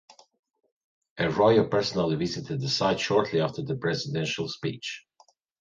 Arroyo personally visited the site shortly after the presidential speech.